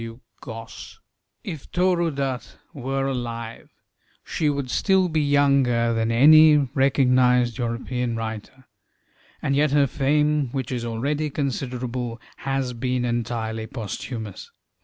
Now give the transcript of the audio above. If Toru Dutt were alive, she would still be younger than any recognized European writer, and yet her fame, which is already considerable, has been entirely posthumous.